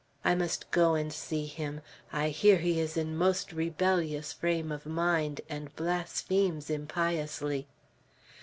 I must go and see him; I hear he is in most rebellious frame of mind, and blasphemes impiously."